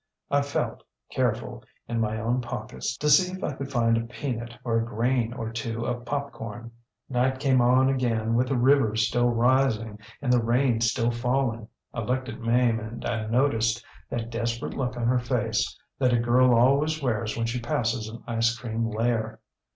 ŌĆÖ I felt, careful, in my own pockets to see if I could find a peanut or a grain or two of popcorn. ŌĆ£Night came on again with the river still rising and the rain still falling. I looked at Mame and I noticed that desperate look on her face that a girl always wears when she passes an ice cream lair.